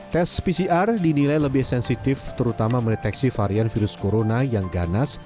tes pcr dinilai lebih sensitif terutama mendeteksi varian virus corona yang ganas